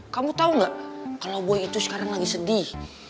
kamu tau gak kalau boy itu sekarang lagi sedih